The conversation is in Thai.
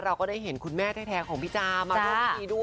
เราก็ได้เห็นคุณแม่แท่ของพี่จาน